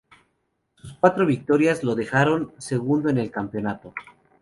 Sus cuatro victorias lo dejaron segundo en el campeonato.